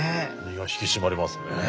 身が引き締まりますね。